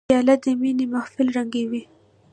پیاله د مینې محفل رنګینوي.